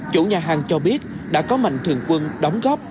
chủ nhà hàng cho biết đã có mạnh thường quân đóng góp